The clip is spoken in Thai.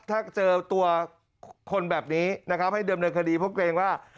ถ้าเจอตัวคนแบบนี้นะครับให้เดิมเนินคดีเพราะเกรงว่า